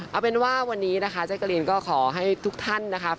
เอาเป็นว่าวันนี้นะคะแจ๊กกะรีนก็ขอให้ทุกท่านนะครับ